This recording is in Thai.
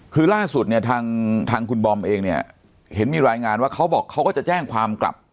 คือล่าสุดเนี่ยทางคุณบอมเองเนี่ยเห็นมีรายงานว่าเขาบอกเขาก็จะแจ้งความกลับ